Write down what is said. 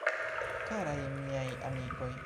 Karaj Miaj Amikoj!